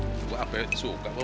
yaudah deh buang sana dibuang